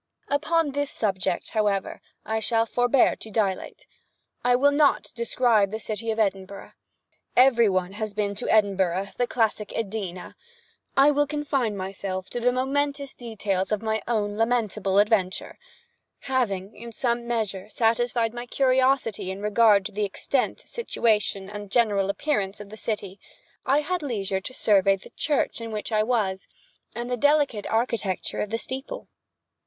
Upon this subject, however, I shall forbear to dilate. I will not describe the city of Edinburgh. Every one has been to the city of Edinburgh. Every one has been to Edinburgh—the classic Edina. I will confine myself to the momentous details of my own lamentable adventure. Having, in some measure, satisfied my curiosity in regard to the extent, situation, and general appearance of the city, I had leisure to survey the church in which I was, and the delicate architecture of the steeple.